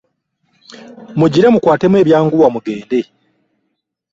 Mugire mukwatemu ebyanguwa mugende.